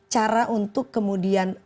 cara untuk kemudian